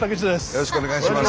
よろしくお願いします。